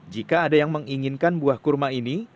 jika ada yang menginginkan buah kurma ini